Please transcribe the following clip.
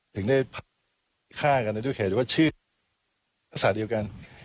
ถึงได้ภาคฆ่ากันด้วยแข่เราก็เชื่อรักษาเดียวกัน